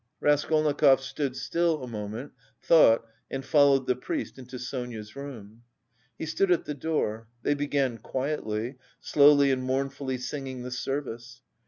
Raskolnikov stood still a moment, thought, and followed the priest into Sonia's room. He stood at the door. They began quietly, slowly and mournfully singing the service.